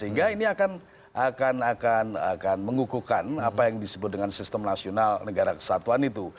sehingga ini akan mengukuhkan apa yang disebut dengan sistem nasional negara kesatuan itu